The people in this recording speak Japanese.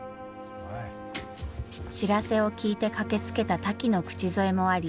知らせを聞いて駆けつけたタキの口添えもあり